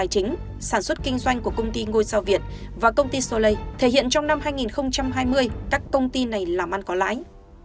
chính sản xuất kinh doanh của công ty ngôi sao việt và công ty solay thể hiện trong năm hai nghìn hai mươi các công ty này làm ăn có lãi